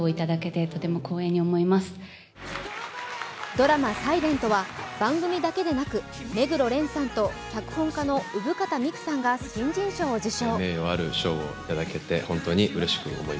ドラマ「ｓｉｌｅｎｔ」は番組だけでなく、目黒蓮さんと脚本家の生方美久さんが新人賞を受賞。